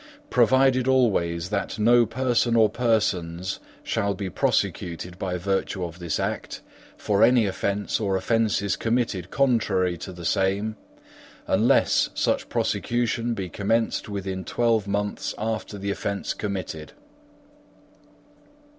VIII. Provided always, That no person or persons shall be prosecuted by virtue of this act, for any offence or offences committed contrary to the same, unless such prosecution be commenced within twelve months after the offence committed.